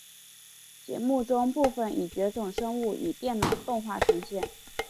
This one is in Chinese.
节目中部分已绝种生物以电脑动画呈现。